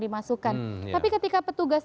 dimasukkan tapi ketika petugas